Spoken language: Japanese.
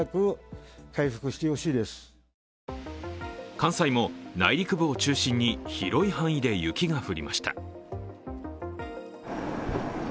関西も内陸部を中心に広い範囲で雪が降りました。